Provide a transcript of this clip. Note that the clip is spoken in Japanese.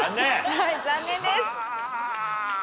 はい残念です。